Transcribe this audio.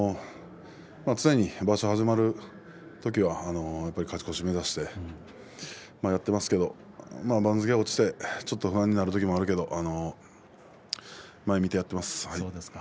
常に場所が始まるときは勝ち越しを目指してやっていますけれど番付が落ちて少し不安になることもあるけど前を見てやっています。